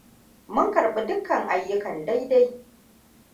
Mun karɓi dukkan ayyukan dai-dai.